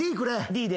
Ｄで。